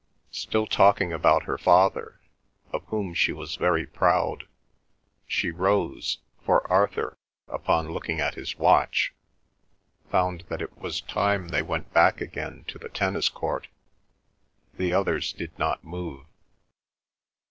Still talking about her father, of whom she was very proud, she rose, for Arthur upon looking at his watch found that it was time they went back again to the tennis court. The others did not move.